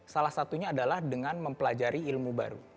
salah satunya adalah dengan mempelajari ilmu baru